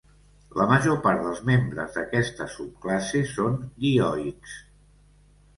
La major part dels membres d'aquesta subclasse són dioics.